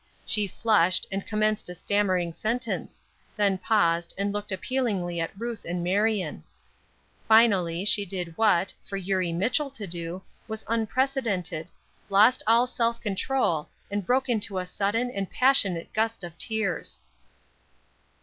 She flushed, and commenced a stammering sentence; then paused, and looked appealingly at Ruth and Marion. Finally she did what, for Eurie Mitchell to do, was unprecedented, lost all self control, and broke into a sudden and passionate gust of tears.